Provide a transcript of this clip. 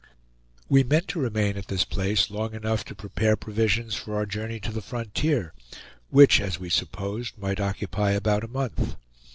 We meant to remain at this place long enough to prepare provisions for our journey to the frontier, which as we supposed might occupy about a month.